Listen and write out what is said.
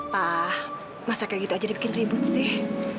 wah masa kayak gitu aja dibikin ribut sih